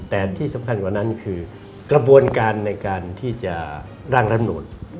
แต่ที่สำคัญกว่านั้นคือกระบวนการในการที่จะร่างรัฐมนูน